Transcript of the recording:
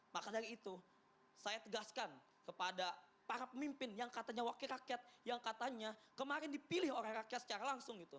maka dari itu saya tegaskan kepada para pemimpin yang katanya wakil rakyat yang katanya kemarin dipilih oleh rakyat secara langsung gitu